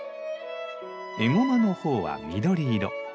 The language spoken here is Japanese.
エゴマの苞は緑色。